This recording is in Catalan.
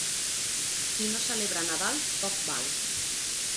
Qui no celebra Nadal, poc val.